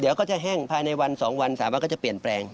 เดี๋ยวก็จะแห้งภายในวัน๒วัน๓วันก็จะเปลี่ยนแปลง